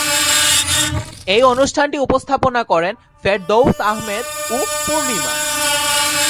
এই অনুষ্ঠানটি উপস্থাপনা করেন ফেরদৌস আহমেদ ও পূর্ণিমা।